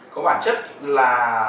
có bản chất là